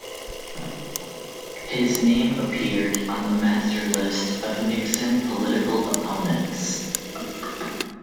His name appeared on the master list of Nixon political opponents.